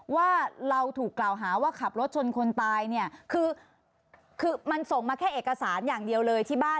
ว่าเราถูกกล่าวหาว่าขับรถชนคนตายเนี่ยคือคือมันส่งมาแค่เอกสารอย่างเดียวเลยที่บ้าน